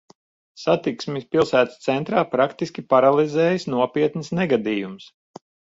Satiksmi pilsētas centrā praktiski paralizējis nopietns negadījums.